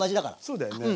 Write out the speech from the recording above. そうだよね。